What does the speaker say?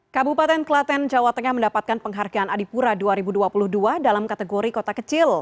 kabupaten klaten jawa tengah mendapatkan penghargaan adipura dua ribu dua puluh dua dalam kategori kota kecil